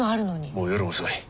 もう夜も遅い。